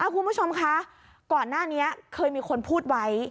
คุณผู้ชมคะก่อนหน้านี้เคยมีคนพูดไว้